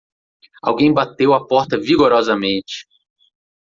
Alguém bateu a porta vigorosamente